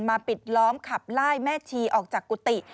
ปิดล้อมขับไล่แม่ชีออกจากกุฏิ